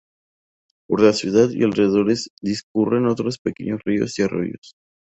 Por la ciudad y alrededores discurren otros pequeños ríos y arroyos.